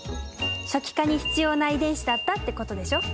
初期化に必要な遺伝子だったってことでしょ。